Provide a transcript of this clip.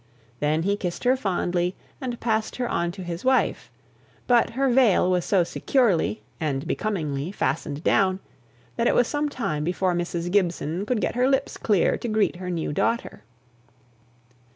Then he kissed her fondly, and passed her on to his wife; but her veil was so securely (and becomingly) fastened down, that it was some time before Mrs. Gibson could get her lips clear to greet her new daughter.